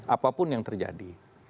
apapun yang terjadi